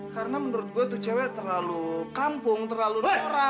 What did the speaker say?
karena menurut gue itu cewe terlalu kampung terlalu norak